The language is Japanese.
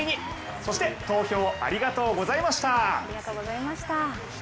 そして、投票ありがとうございました。